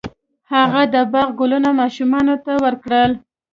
هغه د باغ ګلونه ماشومانو ته ورکړل.